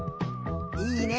いいね。